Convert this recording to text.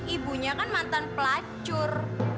ibunya kan mantan pelacur